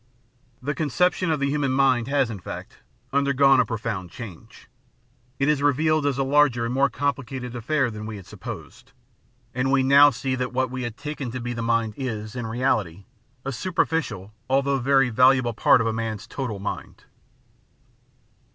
The conception of the human mind has, in fact, undergone a profound change ; it is revealed as a larger and more complicated affair than we had supposed, and we now see that what we had taken to be the mind, is, in reality, a superficial although very valuable part of man's total mind.